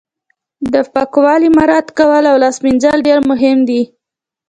د پاکوالي مراعت کول او لاس مینځل ډیر مهم دي